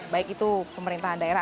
baik itu pemerintahan daerah